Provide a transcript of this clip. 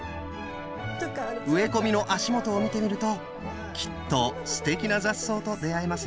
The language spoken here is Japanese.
植え込みの足元を見てみるときっとすてきな雑草と出会えますよ。